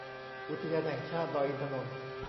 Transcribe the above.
อุทยานแห่งชาติดอยอินทนนท์